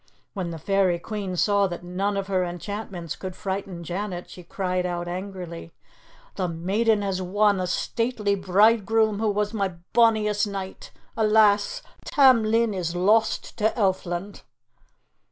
When the Fairy Queen saw that none of her enchantments could frighten Janet, she cried out angrily, "The maiden has won a stately bridegroom who was my bonniest knight. Alas! Tam Lin is lost to Elfland."